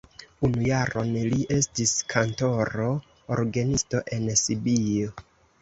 Unu jaron li estis kantoro orgenisto en Sibio.